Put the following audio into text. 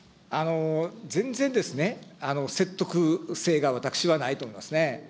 全然ですね、説得性が私はないと思いますね。